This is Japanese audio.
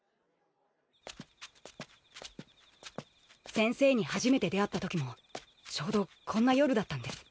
先生に初めて出会ったときもちょうどこんな夜だったんです。